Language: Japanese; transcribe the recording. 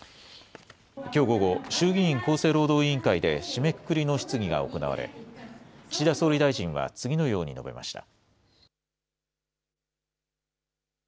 きょう午後、衆議院厚生労働委員会で締めくくりの質疑が行われ、岸田総理大臣は次のように述べました。